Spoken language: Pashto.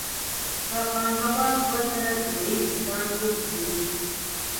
که پانګوال دوه زره جوړې بوټان وپلوري